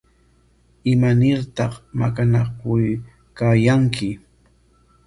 ¿Imanartaq maqanakuykaayanki?